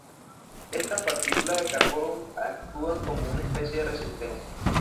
Estas partículas de carbón actúan como una especie de resistencia.